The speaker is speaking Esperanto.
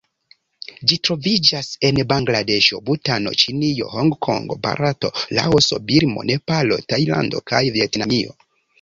Ĝi troviĝas en Bangladeŝo, Butano, Ĉinio, Hongkongo, Barato, Laoso, Birmo, Nepalo, Tajlando kaj Vjetnamio.